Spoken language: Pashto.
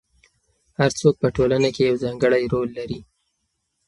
هر څوک په ټولنه کې یو ځانګړی رول لري.